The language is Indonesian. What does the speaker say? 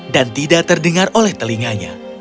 dan tidak terdengar oleh telinganya